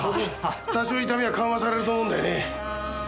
多少痛みは緩和されると思うんだよね。